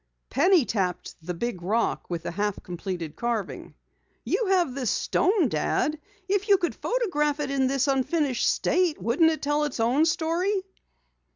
Penny tapped the big rock with the half completed carving. "You have this stone, Dad. If you could photograph it in this unfinished state, wouldn't it tell its own story?"